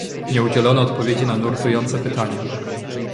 Nie udzielono odpowiedzi na nurtujące pytania